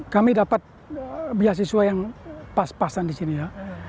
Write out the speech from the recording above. kami dapat beasiswa yang pas pasan di sini ya